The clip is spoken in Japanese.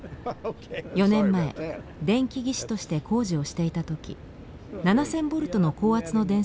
４年前電気技師として工事をしていた時７，０００ボルトの高圧の電線に触れ両腕を失いました。